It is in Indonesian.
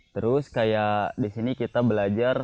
terus kayak di sini kita belajar